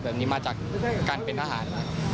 เดี๋ยวนี้มาจากการเป็นทหาร